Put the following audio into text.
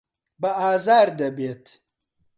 بە ئازار دەبێت.